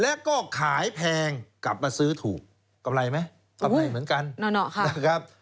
แล้วก็ขายแพงกลับมาซื้อถูกกำไรไหมกำไรเหมือนกันนะครับ